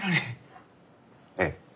ええ。